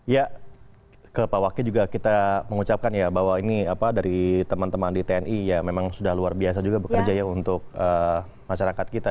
ya ke pak waki juga kita mengucapkan ya bahwa ini dari teman teman di tni ya memang sudah luar biasa juga bekerja ya untuk masyarakat kita